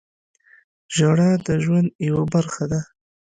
• ژړا د ژوند یوه برخه ده.